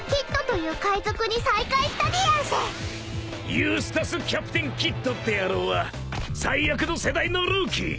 ［ユースタス・キャプテン・キッドって野郎は最悪の世代のルーキー。